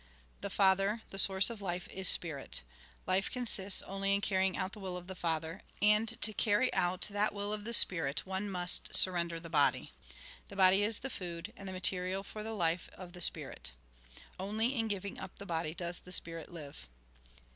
The Father, the source of life, is Spirit. Life con sists only in carrying out the will of the Father ; and to carry out that will of the Spirit, one must surrender the body. The body is the food, the material for the life of the Spirit. Only in giving up the body does the Spirit hve."